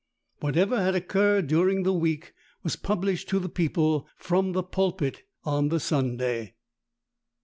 Whatever had occurred during the week was published to the people, from the pulpit, on the Sunday.